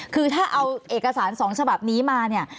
คือถ้าเอาเอกสาร๒ฉบับนี้มาเนี่ย